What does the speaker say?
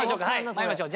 参りましょう。